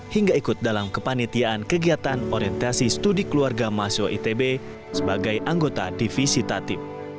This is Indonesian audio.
hingga ikut dalam kepanitiaan kegiatan orientasi studi keluarga mahasiswa itb sebagai anggota divisi tatib